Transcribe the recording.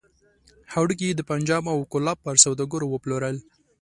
هډوکي يې د پنجاب او کولاب پر سوداګرو وپلورل.